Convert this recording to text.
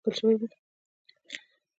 باید جلال الدین لیکل شوی وای.